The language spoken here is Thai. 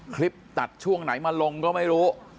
คลิปตัดช่วงไหนมาลงก็ไม่รู้